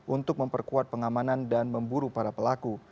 untuk memperkuat pengamanan dan memburu para pelaku